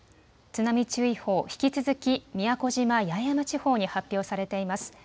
津波注意報、引き続き宮古島・八重山地方に発表されています。